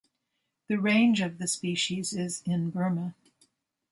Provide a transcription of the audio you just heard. The range of the species is in Burma.